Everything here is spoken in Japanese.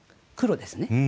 黒ですね。